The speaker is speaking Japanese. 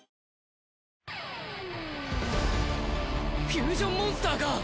フュージョンモンスターが。